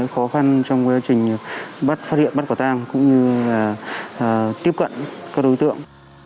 khó khăn trong quá trình bắt phát hiện bắt quả tang cũng như là tiếp cận các đối tượng